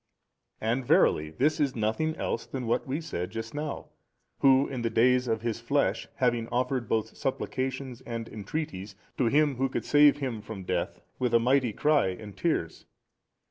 A. And verily this is nothing else than what we said just now, Who in the days of His flesh having offered both supplications and entreaties to Him Who could save Him from death with a mighty cry and tears.